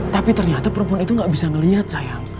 tapi ternyata perempuan itu gak bisa melihat sayang